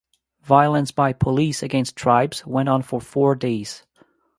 Violence by police against tribes went on for four days.